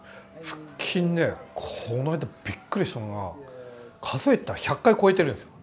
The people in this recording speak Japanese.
腹筋ねこの間びっくりしたのが数えたら１００回超えてるんですよ。